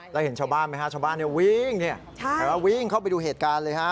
แล้วเห็นชาวบ้านไหมฮะชาวบ้านวิ่งวิ่งเข้าไปดูเหตุการณ์เลยฮะ